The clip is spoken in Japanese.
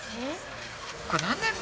これ、何年前？